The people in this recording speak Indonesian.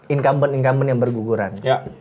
income income yang berguguran